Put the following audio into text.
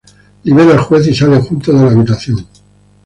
Libera al juez y salen juntos de la habitación.